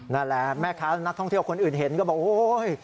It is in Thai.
นั่นแหละแม่ค้านักท่องเที่ยวคนอื่นเห็นก็บอกโอ๊ย